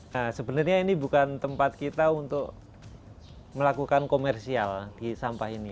nah sebenarnya ini bukan tempat kita untuk melakukan komersial di sampah ini